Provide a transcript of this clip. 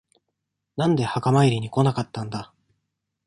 なんで墓参りに来なかったんだ。